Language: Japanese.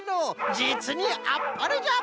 じつにあっぱれじゃ！